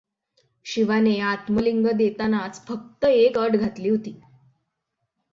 शिवाने आत्मलिंग देतानाच फक्त एक अट घातली होती.